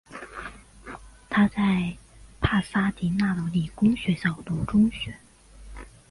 他在帕萨迪娜的理工学校读中学。